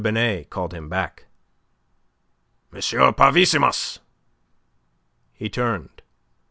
Binet called him back. "M. Parvissimus!" He turned.